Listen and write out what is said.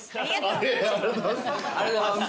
ありがとうございます。